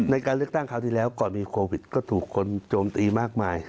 ในการเลือกตั้งคราวที่แล้วก่อนมีโควิดก็ถูกคนโจมตีมากมาย